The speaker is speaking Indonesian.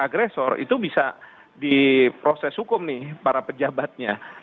agresor itu bisa di proses hukum nih para pejabatnya